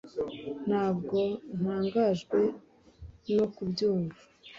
ntabwo ntangajwe no kubyumva